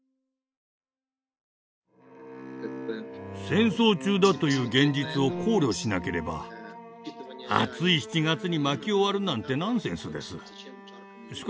戦争中だという現実を考慮しなければ暑い７月に薪を割るなんてナンセンスです。